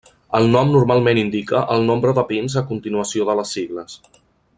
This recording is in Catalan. El nom normalment indica el nombre de pins a continuació de les sigles.